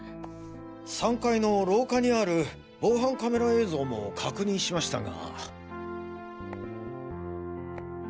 ３階の廊下にある防犯カメラ映像も確認しましたが。